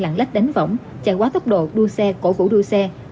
lặng lách đánh vỏng chạy quá tốc độ đua xe cổ vũ đua xe